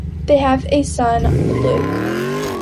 They have a son, Luke.